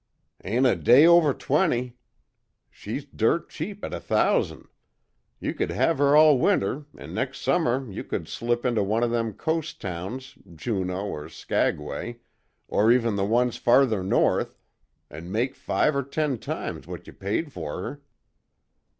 "Ain't a day over twenty. She's dirt cheap at a thousan'. You could have her all winter, an' next summer you could slip into one of them coast towns, Juneau, or Skagway, or even the ones farther north, an' make five or ten times what you paid fer her."